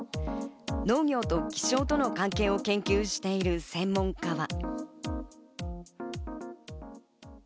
農業と気象との関係を研究している専門家は。